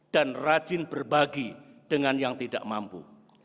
dan rajin berbagi dengan yang tidak mampu